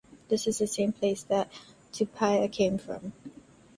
This is the same place that Tupaia came from.